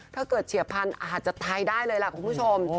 ถ้าเกิดเฉียบพันธุ์อาจจะไทยได้เลยแหละครับคุณผู้ชม